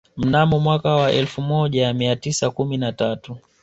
Mnamo mwaka wa elfu moja mia tisa kumi na tatu